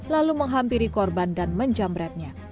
lalu menghampiri korban dan menjamretnya